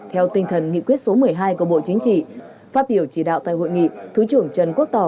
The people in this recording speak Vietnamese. theo tinh thần nghị quyết số một mươi hai của bộ chính trị phát biểu chỉ đạo tại hội nghị thứ trưởng trần quốc tỏ